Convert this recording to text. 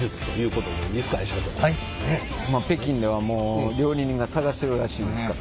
北京ではもう料理人が捜してるらしいですからね。